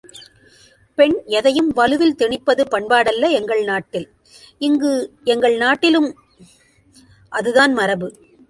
பெண் எதையும் வலுவில் திணிப்பது பண்பாடல்ல, எங்கள் நாட்டில்! இங்கு எங்கள் நாட்டிலும் அதுதான் மரபு!